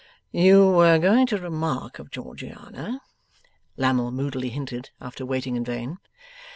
'You were going to remark of Georgiana ?' Lammle moodily hinted, after waiting in vain.